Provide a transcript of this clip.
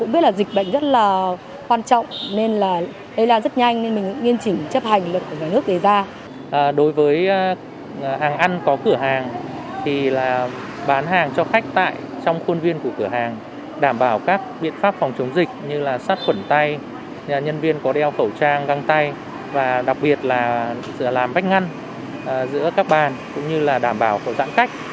bán hàng cho khách tại trong khuôn viên của cửa hàng đảm bảo các biện pháp phòng chống dịch như sắt khuẩn tay nhân viên có đeo khẩu trang găng tay và đặc biệt là sửa làm vách ngăn giữa các bàn cũng như đảm bảo khẩu giãn cách